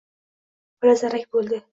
Olazarak bo‘ldi.